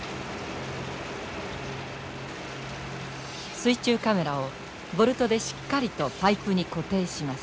水中カメラをボルトでしっかりとパイプに固定します。